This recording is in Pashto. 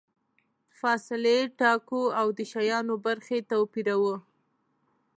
فاصلې ټاکو او د شیانو برخې توپیروو.